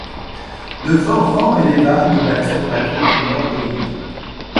De forts vents et des vagues battirent la côte nord de l'île.